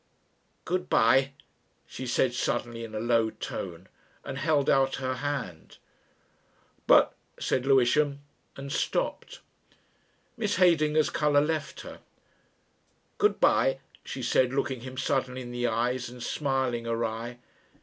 "Good bye," she said suddenly in a low tone and held out her hand. "But," said Lewisham and stopped. Miss Heydinger's colour left her. "Good bye," she said, looking him suddenly in the eyes and smiling awry.